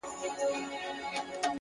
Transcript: هوډ د نیمې لارې ستړیا ماتوي!